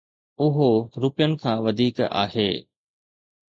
اهو روپين کان وڌيڪ آهي.